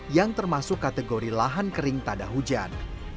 yang termasuk kategori lahan kering tanda hujan